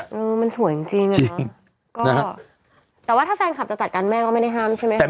เออมันสวยจริงจริงอ่ะเนอะก็แต่ว่าถ้าแฟนคลับจะจัดการแม่ก็ไม่ได้ห้ามใช่ไหมครับ